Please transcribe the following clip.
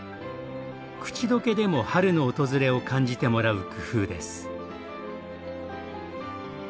口溶けでも春の訪れを感じてもらう工夫です。